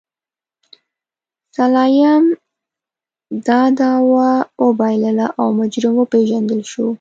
سلایم دا دعوه وبایلله او مجرم وپېژندل شو.